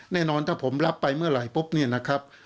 แน่นอนถ้าผมรับไปเมื่อไหร่ปุ๊บเนี่ยนะครับ